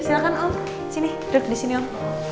silahkan om sini duduk disini om